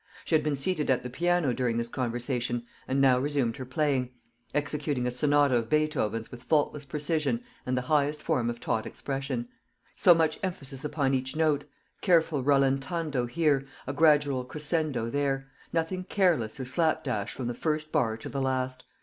She had been seated at the piano during this conversation, and now resumed her playing executing a sonata of Beethoven's with faultless precision and the highest form of taught expression; so much emphasis upon each note careful rallentando here, a gradual crescendo there; nothing careless or slapdash from the first bar to the last.